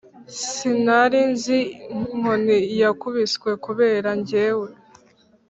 Sinari nz' inkoni yakubiswe Kubera jye we.